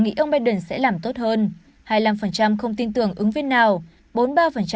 ba mươi nghĩ ông biden sẽ làm tốt hơn hai mươi năm không tin tưởng ứng viên nào